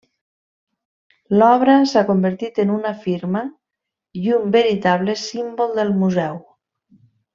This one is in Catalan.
L'obra s'ha convertit en una firma i un veritable símbol del museu.